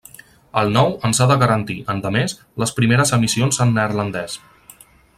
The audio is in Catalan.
El nou ens ha de garantir, endemés, les primeres emissions en neerlandès.